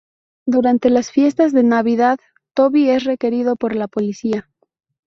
Durante las fiestas de navidad, Toby es requerido por la policía.